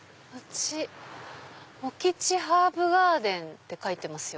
「モキチハーブガーデン」って書いてますよ。